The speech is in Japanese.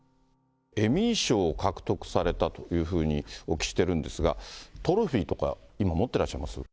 エミー賞を獲得されたというふうにお聞きしてるんですが、トロフィーとか今、持ってらっしゃいます？